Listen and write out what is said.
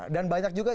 dan banyak juga